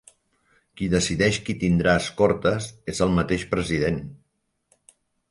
Qui decideix qui tindrà escortes és el mateix president.